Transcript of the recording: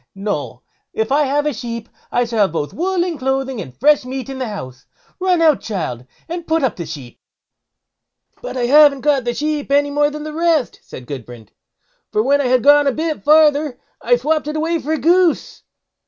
No! if I have a sheep, I shall have both wool and clothing, and fresh meat in the house. Run out, child, and put up the sheep." "But I haven't got the sheep any more than the rest", said Gudbrand; "for when I had gone a bit farther, I swopped it away for a goose."